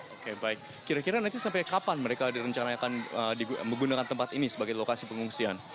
oke baik kira kira nanti sampai kapan mereka direncanakan menggunakan tempat ini sebagai lokasi pengungsian